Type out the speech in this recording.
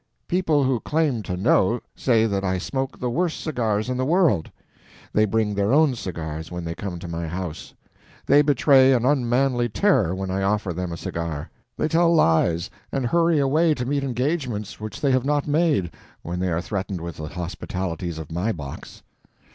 People who claim to know say that I smoke the worst cigars in the world. They bring their own cigars when they come to my house. They betray an unmanly terror when I offer them a cigar; they tell lies and hurry away to meet engagements which they have not made when they are threatened with the hospitalities of my box.